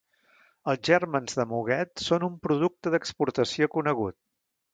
Els gèrmens de muguet són un producte d'exportació conegut.